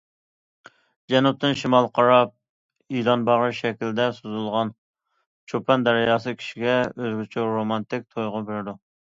جەنۇبتىن شىمالغا قاراپ يىلان باغرى شەكلىدە سوزۇلغان چوپان دەرياسى كىشىگە ئۆزگىچە رومانتىك تۇيغۇ بېرىدۇ.